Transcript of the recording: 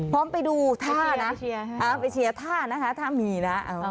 อ๋อพร้อมไปดูท่านะไปเชียร์ท่านะคะท่ามีนะ